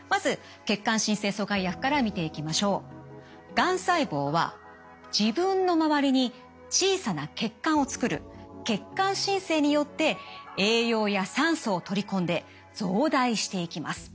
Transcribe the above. がん細胞は自分の周りに小さな血管を作る血管新生によって栄養や酸素を取り込んで増大していきます。